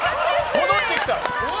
戻ってきた！